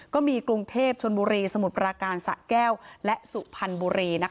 กรุงเทพชนบุรีสมุทรปราการสะแก้วและสุพรรณบุรี